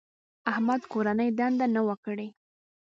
احمد کورنۍ دنده نه وه کړې.